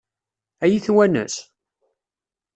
Ad iyi-twanes?